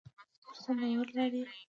اوس خوندور ژوند لري.